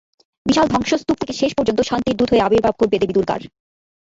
বিশাল ধ্বংসস্তূপ থেকে শেষ পর্যন্ত শান্তির দূত হয়ে আবির্ভাব ঘটবে দেবী দুর্গার।